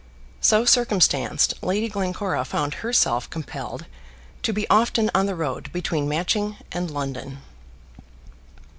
So circumstanced, Lady Glencora found herself compelled to be often on the road between Matching and London.